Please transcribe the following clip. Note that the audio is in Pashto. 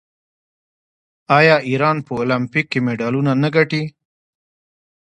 آیا ایران په المپیک کې مډالونه نه ګټي؟